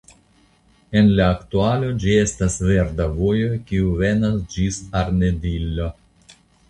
En la aktualo ĝi estas verda vojo kiu venas ĝis Arnedillo.